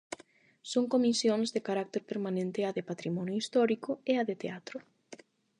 Son comisións de carácter permanente a de Patrimonio Histórico e a de Teatro.